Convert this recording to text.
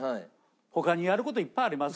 他にやる事いっぱいありますから。